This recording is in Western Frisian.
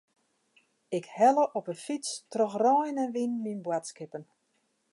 Ik helle op 'e fyts troch rein en wyn myn boadskippen.